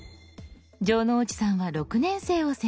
城之内さんは６年生を選択。